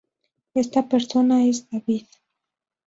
Esta persona es David.